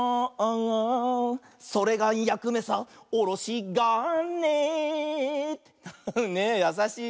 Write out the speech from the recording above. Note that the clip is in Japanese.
「それがやくめさおろしがね」ねえやさしい。